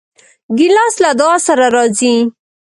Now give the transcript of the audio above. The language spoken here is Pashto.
ګیلاس له دعا سره راځي.